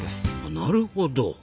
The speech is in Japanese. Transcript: なるほど。